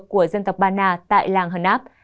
của dân tộc bana tại làng hờn áp